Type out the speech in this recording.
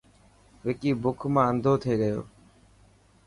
وڪي بک مان انڌو ٿي گيو.